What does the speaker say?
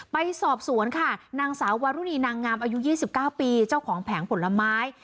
ไปสอบสวนค่ะนางสาววารุณีนางงามอายุ๒๙ปีเจ้าของแผงผลไม้